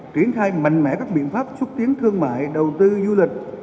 triển khai mạnh mẽ các biện pháp xuất tiến thương mại đầu tư du lịch